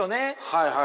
はいはい。